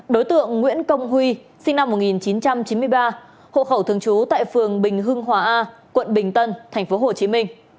đối tượng nguyễn công huy sinh năm một nghìn chín trăm chín mươi ba hộ khẩu thường trú tại phường bình hưng hòa a quận bình tân tp hcm